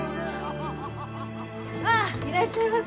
ああいらっしゃいませ！